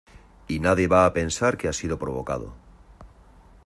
y nadie va a pensar que ha sido provocado.